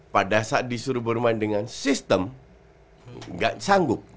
pada saat disuruh bermain dengan sistem gak sanggup